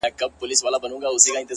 بېزاره به سي خود يـــاره له جنگه ككـرۍ،